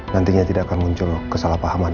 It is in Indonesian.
nantinya tidak akan muncul kesalahpahaman